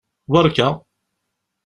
Berka!